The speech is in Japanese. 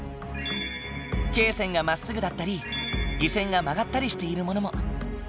経線がまっすぐだったり緯線が曲がったりしているものも。